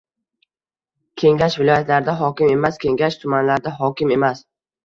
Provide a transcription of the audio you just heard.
Kengash viloyatlarda hokim emas, Kengash tumanlarda hokim emas